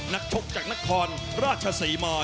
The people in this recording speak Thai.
นักชกจากนักคอนราชสีมา